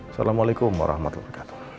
assalamualaikum warahmatullahi wabarakatuh